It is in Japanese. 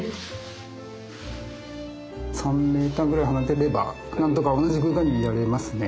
３ｍぐらい離れてればなんとか同じ空間にはいられますね。